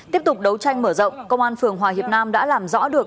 tiếp tục đấu tranh mở rộng công an phường hòa hiệp nam đã làm rõ được